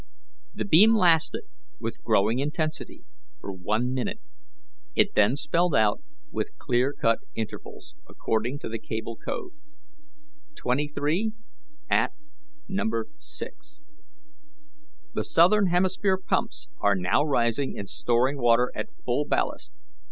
The beam lasted with growing intensity for one minute; it then spelled out with clean cut intervals, according to the Cable Code: "23@ no' 6". The southern hemisphere pumps are now raising and storing water at full blast.